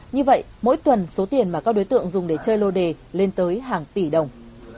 như vậy mỗi tuần số tiền mà các đối tượng dùng để chơi lô đề lên tới hàng tỷ đồng